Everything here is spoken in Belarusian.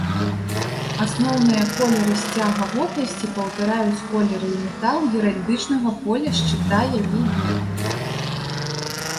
Асноўныя колеры сцяга вобласці паўтараюць колеры і метал геральдычнага поля шчыта яе герба.